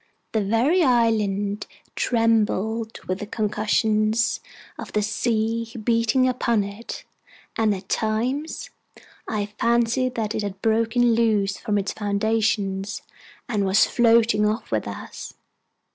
The very island trembled with the concussions of the sea beating upon it, and at times I fancied that it had broken loose from its foundation, and was floating off with us.